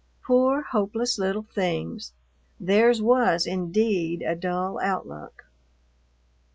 Poor, hopeless little things! Theirs was, indeed, a dull outlook.